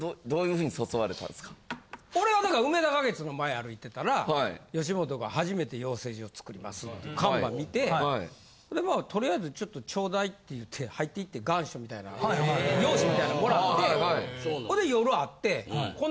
俺はだからうめだ花月の前歩いてたら吉本が初めて養成所作りますっていう看板見てでまあとりあえずちょっとちょうだいって言って入って行って願書みたいなん用紙みたいなん貰ってほんで夜会って。